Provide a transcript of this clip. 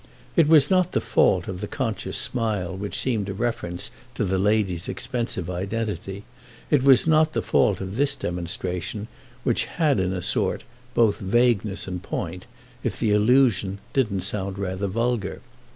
It was not the fault of the conscious smile which seemed a reference to the lady's expensive identity, it was not the fault of this demonstration, which had, in a sort, both vagueness and point, if the allusion didn't sound rather vulgar.